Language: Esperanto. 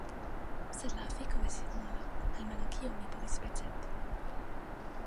Sed la efiko estis nula, almenau kiom mi povis percepti.